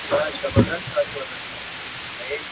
پلار یې وویل شکوي چي خپل سرونه ..